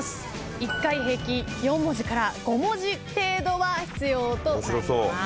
１回平均４文字から５文字程度は必要となります。